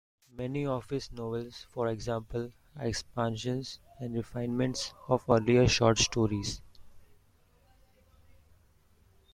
Many of his novels, for example, are expansions and refinements of earlier short stories.